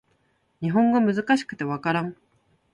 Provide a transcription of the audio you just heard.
日本語難しくて分からん